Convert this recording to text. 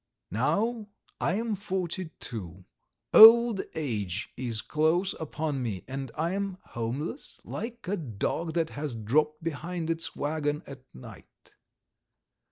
Now I am forty two, old age is close upon me, and I am homeless, like a dog that has dropped behind its waggon at night.